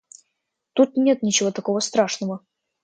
Тут нет ничего такого страшного.